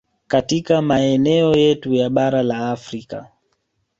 Katika maeneo yetu ya bara la Afrika